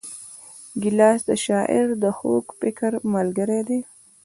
ګیلاس د شاعر د خوږ فکر ملګری دی.